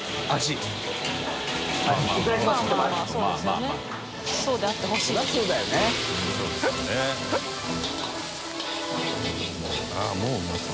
あっもううまそう。